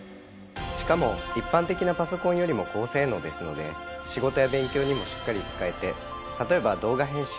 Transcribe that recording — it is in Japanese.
しかも一般的なパソコンよりも高性能ですので仕事や勉強にもしっかり使えて例えば動画編集